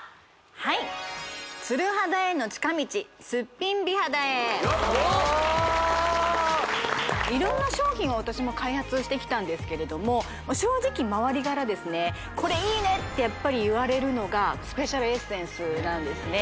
はいよっ・おお色んな商品を私も開発してきたんですけれども正直周りからですねってやっぱり言われるのがスペシャルエッセンスなんですね